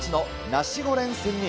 ナシゴレン仙人。